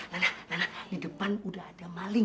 lana lana di depan udah ada maling